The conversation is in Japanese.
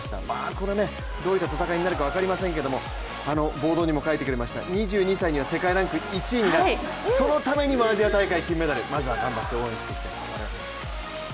これがどういった戦いになるか分かりませんけどボードにも書いてくれました、２２歳には世界ランク１位になる、そのためにもアジア大会金メダルまずは頑張って応援していきたいと我々も思います。